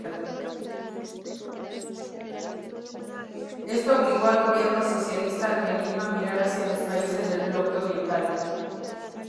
Esto obligó al gobierno socialista argelino a mirar hacia los países del bloque oriental.